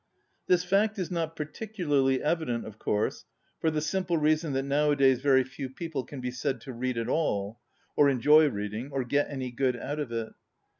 This fact is not particularly evi dent, of course, for the simple reason that nowadays very few people can be said to read at all, or enjoy read ing, or get any good out of it.